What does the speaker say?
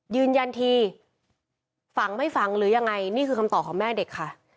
ยืนยันทีฝังไม่ฝังหรือยังไงนี่คือคำตอบของแม่เด็กค่ะ